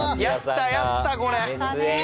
やったね。